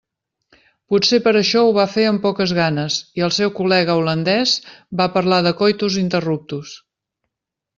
Potser per això ho va fer amb poques ganes i el seu col·lega holandès va parlar de “coitus interruptus”.